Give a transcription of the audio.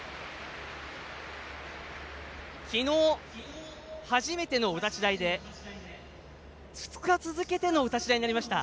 昨日、初めてのお立ち台で２日続けてのお立ち台となりました。